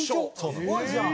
すごいじゃん。